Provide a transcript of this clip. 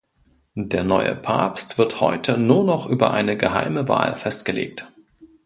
Der neue Papst wird heute nur noch über eine geheime Wahl festgelegt.